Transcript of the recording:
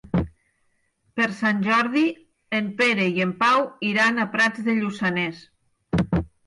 Per Sant Jordi en Pere i en Pau iran a Prats de Lluçanès.